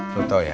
lu tau ya